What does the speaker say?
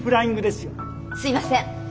すいません。